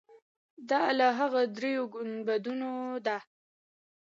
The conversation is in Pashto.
دا له هغو درېیو ګنبدونو ده.